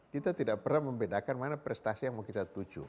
kita tidak pernah membedakan mana prestasi yang mau kita tuju